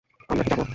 আমরা কি যাব?